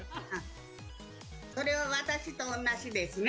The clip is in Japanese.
それは私と同じですね。